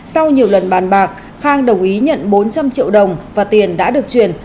sau nhiều lần bàn bạc khang đồng ý nhận bốn trăm linh triệu đồng và tiền đã được chuyển